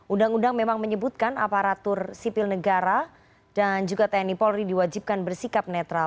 undang undang memang menyebutkan aparatur sipil negara dan juga tni polri diwajibkan bersikap netral